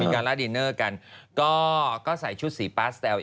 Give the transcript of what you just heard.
การ่าดินเนอร์กันก็ใส่ชุดสีปาสแซว